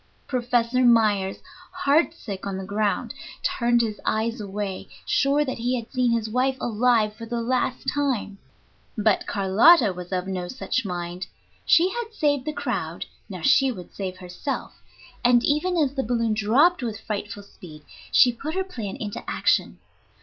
Professor Myers, heart sick on the ground, turned his eyes away, sure that he had seen his wife alive for the last time. But Carlotta was of no such mind. She had saved the crowd, now she would save herself; and even as the balloon dropped with frightful speed, she put her plan into action.